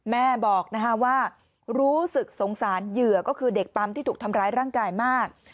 แม่บอกว่ารู้สึกสงสารเหยื่อก็คือเด็กปั๊มที่ถูกทำร้ายร่างกายมาก